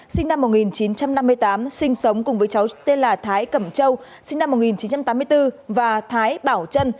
sinh năm một nghìn chín trăm năm mươi tám sinh sống cùng với cháu tên là thái cẩm châu sinh năm một nghìn chín trăm tám mươi bốn và thái bảo trân